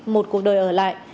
một cuộc đời ở lại